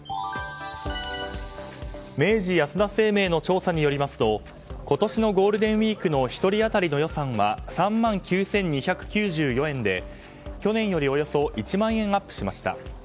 明治安田生命の調査によりますと今年のゴールデンウィークの１人当たりの予算は３万９２９４円で、去年よりおよそ１万円アップしました。